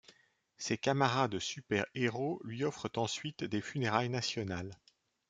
Ses camarades super-héros lui offrent ensuite des funérailles nationales.